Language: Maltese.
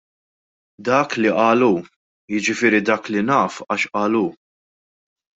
Dak li qal hu, jiġifieri dak li naf għax qal hu.